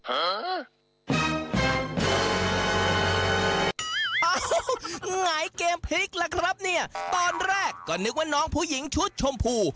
เอ้าหงายเกมพลิกล่ะครับเนี่ยตอนแรกก็นึกว่าน้องผู้หญิงชุดชมพู